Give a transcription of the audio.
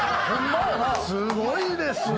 すごいですね。